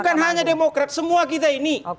bukan hanya demokrat semua kita ini